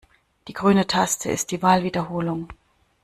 Die grüne Taste ist die Wahlwiederholung.